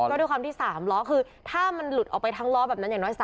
ก็ด้วยความที่๓ล้อคือถ้ามันหลุดออกไปทั้งล้อแบบนั้นอย่างน้อย